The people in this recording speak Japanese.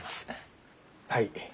はい。